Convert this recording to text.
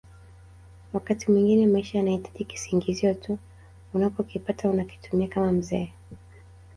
Wakati mwingine maisha yanahitaji kisingizio tu unapokipata unakitumia kama mzee